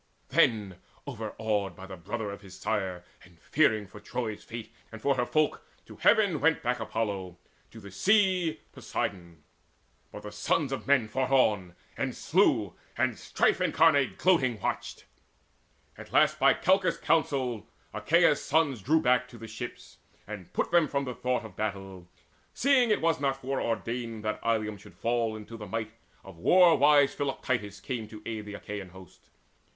Then, overawed by the brother of his sire, And fearing for Troy's fate and for her folk, To heaven went back Apollo, to the sea Poseidon. But the sons of men fought on, And slew; and Strife incarnate gloating watched. At last by Calchas' counsel Achaea's sons Drew back to the ships, and put from them the thought Of battle, seeing it was not foreordained That Ilium should fall until the might Of war wise Philoctetes came to aid The Achaean host.